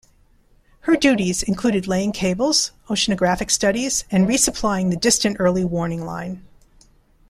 Her duties included laying cables, oceanographic studies, and re-supplying the Distant Early Warning Line.